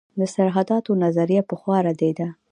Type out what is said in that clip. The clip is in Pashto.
د سرحداتو نظریه پخوا ردېده.